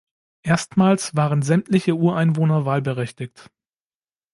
Erstmals waren sämtliche Ureinwohner wahlberechtigt.